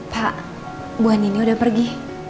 pak bu andin udah pergi